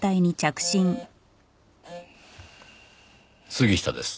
杉下です。